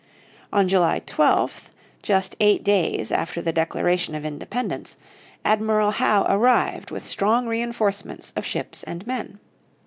On July 12th, just eight days after the declaration of independence, Admiral Howe arrived with strong reinforcements of ships and men.